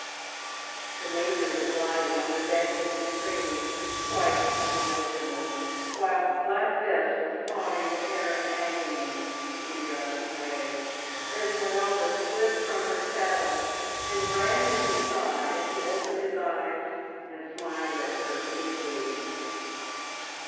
The Major was lying on the bank of the stream, white and motionless, while Black Bess was pawing the air in agony a few yards away. Esmeralda slipped from her saddle and ran to his side, and he opened his eyes and smiled at her feebly.